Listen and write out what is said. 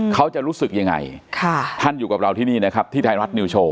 เขาจะรู้สึกยังไงท่านอยู่กับเราที่นี่นะครับที่ไทยรัฐนิวโชว